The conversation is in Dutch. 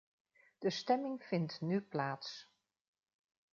De stemming vindt nu plaats.